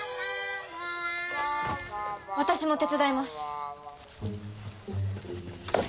私も手伝います。